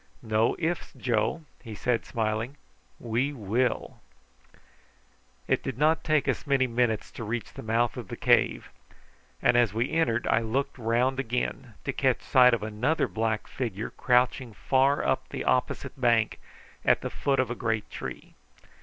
"No ifs, Joe," he said smiling; "we will!" It did not take us many minutes to reach the mouth of the cave, and as we entered I looked round again, to catch sight of another black figure crouching far up the opposite bank, at the foot of a great tree.